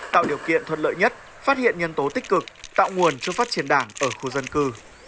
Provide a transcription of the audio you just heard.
tạo điều kiện thuận lợi nhất phát hiện nhân tố tích cực tạo nguồn cho phát triển đảng ở khu dân cư